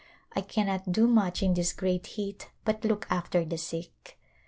I cannot do much in this great heat but look after the sick.